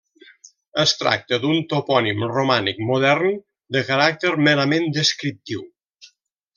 Es tracta d'un topònim romànic modern, de caràcter merament descriptiu.